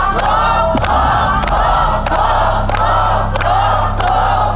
ถูกถูกถูกถูกถูก